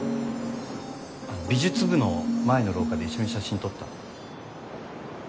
あの美術部の前の廊下で一緒に写真撮ったの。